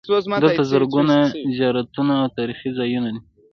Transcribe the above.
دلته زرګونه زیارتونه او تاریخي ځایونه دي.